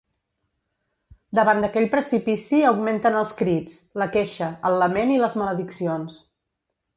Davant d'aquell precipici augmenten els crits, la queixa, el lament i les malediccions.